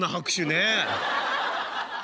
ねえ。